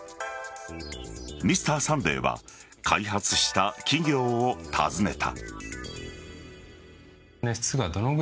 「Ｍｒ．サンデー」は開発した企業を訪ねた。